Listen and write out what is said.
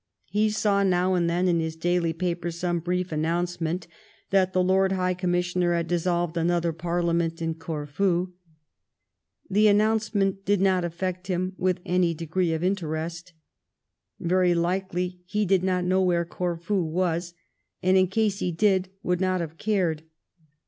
He saw now and then in his daily paper some brief announcement that the Lord High Commissioner had dissolved another Parliament at Corfu. The announcement did not affect him with any manner of interest. Very likely he did not know where Corfu was, and in case he did, would not have cared.